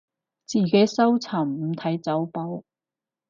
自己搜尋，唔睇走寶